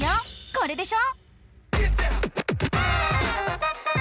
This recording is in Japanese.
これでしょ？